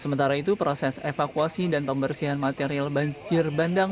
sementara itu proses evakuasi dan pembersihan material banjir bandang